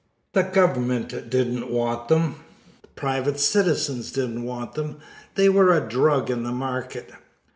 The government didn't want them; private citizens didn't want them; they were a drug in the market.